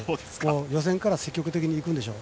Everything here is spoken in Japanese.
予選から積極的にいくでしょう。